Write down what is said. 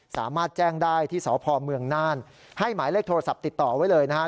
สามารถแจ้งได้ที่สพเมืองน่านให้หมายเลขโทรศัพท์ติดต่อไว้เลยนะฮะ